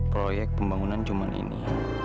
proyek pembangunan cuma ini